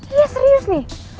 iya serius nih